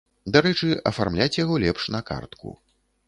Дарэчы, афармляць яго лепш на картку.